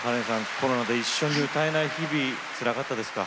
コロナで一緒に歌えない日々つらかったですか？